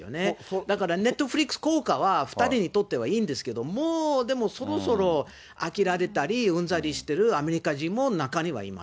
だからネットフリックス効果は、２人にとってはいいんですけれども、もうそろそろ飽きられたり、うんざりしてるアメリカ人も、中にはいます。